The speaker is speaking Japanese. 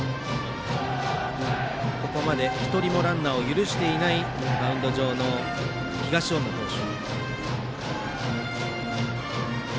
ここまで１人もランナーを許していないマウンド上の東恩納投手。